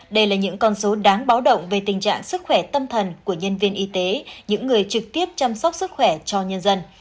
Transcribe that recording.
đây là những con số đáng báo động về tình trạng sức khỏe tâm thần của nhân viên y tế những người trực tiếp chăm sóc sức khỏe cho nhân dân